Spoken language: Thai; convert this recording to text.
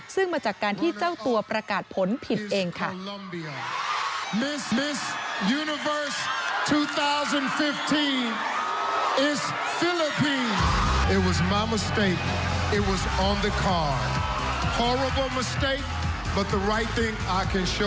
ซึ่งมาจากการที่เจ้าตัวประกาศผลผิดเองค่ะ